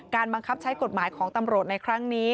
บังคับใช้กฎหมายของตำรวจในครั้งนี้